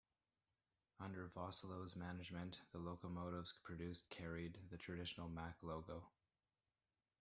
Under Vosslohs management the locomotives produced carried the traditional MaK logo.